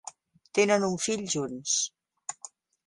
Tenen un fill junts.